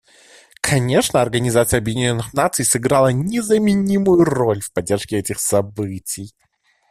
Конечно, Организация Объединенных Наций сыграла незаменимую роль в поддержке этих событий.